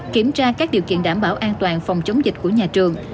kiểm tra các điều kiện đảm bảo an toàn phòng chống dịch của nhà trường